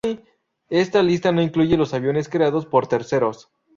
Esta lista no incluye los aviones creados por terceros.